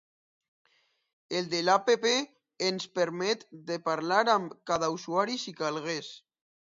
El de l’app ens permet de parlar amb cada usuari si calgués.